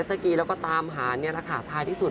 ใช่